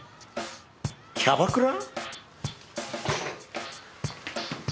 キャバクラ！？